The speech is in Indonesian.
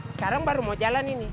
sekarang baru mau jalan ini